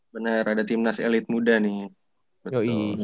benar ada timnas elit muda nih